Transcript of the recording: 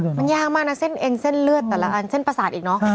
มันยากมากนะเส้นเองเส้นเลือดแต่ละอันเส้นประสาทอีกเนอะ